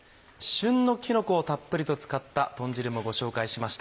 旬のきのこをたっぷりと使った豚汁もご紹介しました。